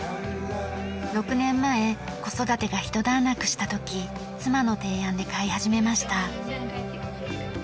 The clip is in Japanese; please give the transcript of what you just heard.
６年前子育てが一段落した時妻の提案で飼い始めました。